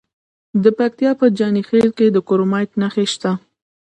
د پکتیا په جاني خیل کې د کرومایټ نښې شته.